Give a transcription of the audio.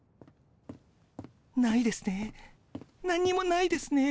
ないですね。